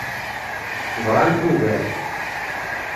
Bɣant ugar.